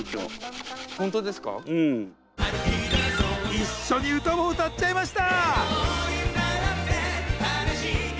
一緒に歌も歌っちゃいました！